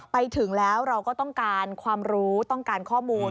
ไปถึงแล้วเราก็ต้องการความรู้ต้องการข้อมูล